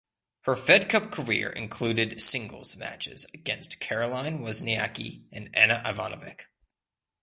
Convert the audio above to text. Her Fed Cup career included singles matches against Caroline Wozniacki and Ana Ivanovic.